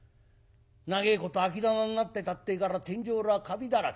長えこと空き店んなってたってえから天井裏はカビだらけ。